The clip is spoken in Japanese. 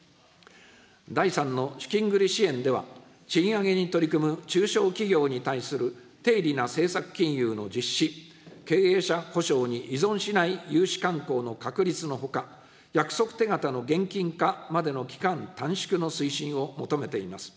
第３の資金繰り支援では、賃上げに取り組む中小企業に対する低利な政策金融の実施、経営者保証に依存しない融資慣行の確立のほか、約束手形の現金化までの期間短縮の推進を求めています。